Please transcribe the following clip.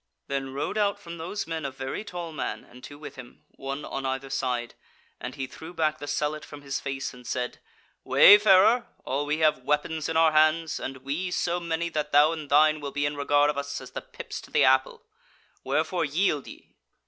Then rode out from those men a very tall man, and two with him, one on either side, and he threw back the sallet from his face, and said: "Wayfarer, all we have weapons in our hands, and we so many that thou and thine will be in regard of us as the pips to the apple. Wherefore, yield ye!"